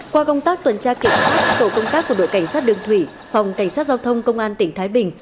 qua công tác tuần tra kiểm soát tổ công tác của đội cảnh sát đường thủy phòng cảnh sát giao thông công an tỉnh thái bình